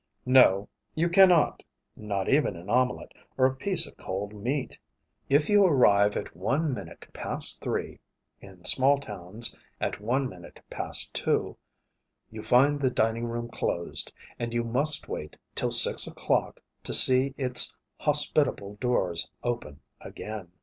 No, you cannot, not even an omelette or a piece of cold meat. If you arrive at one minute past three (in small towns, at one minute past two) you find the dining room closed, and you must wait till six o'clock to see its hospitable doors open again.